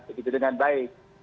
begitu dengan baik